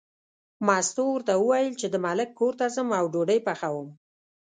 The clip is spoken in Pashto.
مستو ورته وویل چې د ملک کور ته ځم او ډوډۍ پخوم.